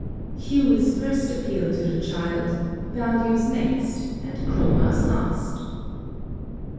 ] +HUES first appeal to the child, VALUES next, and CHROMAS last.